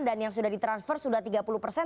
dan yang sudah ditransfer sudah tiga puluh persen